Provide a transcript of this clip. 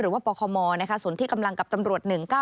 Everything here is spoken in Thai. หรือว่าปคมสวนที่กำลังกับตำรวจ๑๙๑